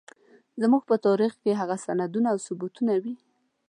زموږ په تاريخ کې هغه سندونه او ثبوتونه وي.